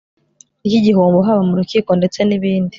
ryigihombo haba mu rukiko ndetse nibindi